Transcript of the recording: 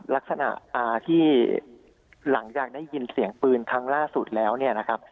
ลักษณะที่หลังจากได้ยินเสียงปืนครั้งล่าสุดแล้วเนี่ยนะครับ